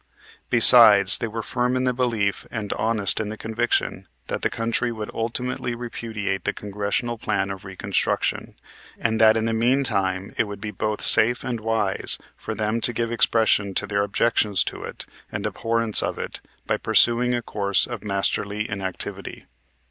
Besides, they were firm in the belief and honest in the conviction that the country would ultimately repudiate the Congressional Plan of Reconstruction, and that in the mean time it would be both safe and wise for them to give expression to their objections to it and abhorrence of it by pursuing a course of masterly inactivity.